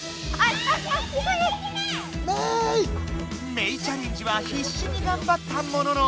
メイチャレンジはひっしにがんばったものの。